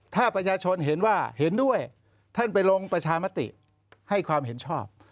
ถ้าประชาชนเห็นว่าเห็นด้วยท่านไปลงประชามติให้ความเห็นชอบ